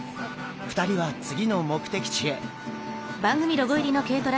２人は次の目的地へ。